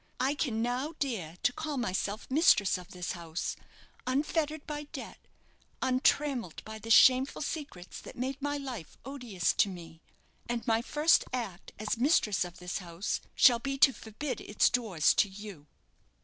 I can now dare to call myself mistress of this house, unfettered by debt, untrammelled by the shameful secrets that made my life odious to me; and my first act as mistress of this house shall be to forbid its doors to you."